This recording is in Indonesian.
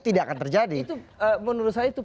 tidak akan terjadi itu menurut saya itu